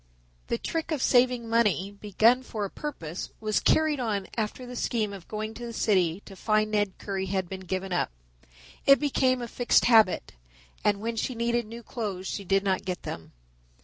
The trick of saving money, begun for a purpose, was carried on after the scheme of going to the city to find Ned Currie had been given up. It became a fixed habit, and when she needed new clothes she did not get them.